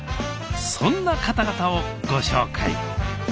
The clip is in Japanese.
そんな方々をご紹介。